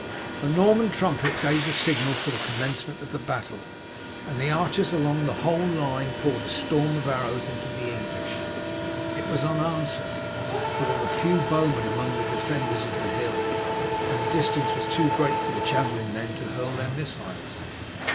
A Norman trumpet gave the signal for the commencement of the battle, and the archers along the whole line poured a storm of arrows into the English. It was unanswered, for there were few bowmen among the defenders of the hill, and the distance was too great for the javelin men to hurl their missiles.